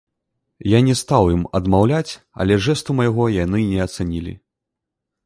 Я не стаў ім адмаўляць, але жэсту майго яны не ацанілі.